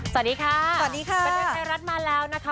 สวัสดีค่ะสวัสดีค่ะบันเทิงไทยรัฐมาแล้วนะคะ